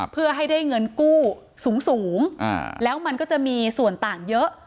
เพื่อให้ได้เงินกู้สูงแล้วมันก็จะมีส่วนต่างเยอะ